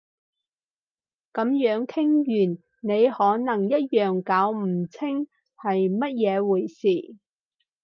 噉樣傾完你可能一樣搞唔清係乜嘢回事